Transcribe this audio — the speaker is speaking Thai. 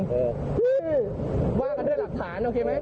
คือว่ากันด้วยหลักฐานโอเคไหม